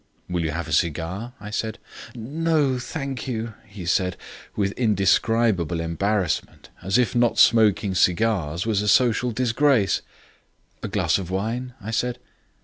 "Will you have a cigar?" I said. "No, thank you," he said, with indescribable embarrassment, as if not smoking cigars was a social disgrace. "A glass of wine?" I said.